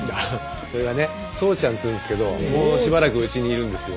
それがね宗ちゃんっていうんですけどもうしばらくうちにいるんですよ。